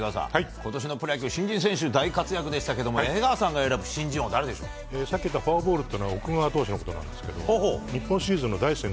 今年のプロ野球、新人選手が大活躍でしたが江川さんが選ぶ新人王はさっき言ったフォアボールというのは奥川投手のことなんですが日本シリーズの第１戦で